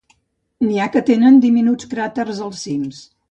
N'hi ha que tenen diminuts cràters als cims.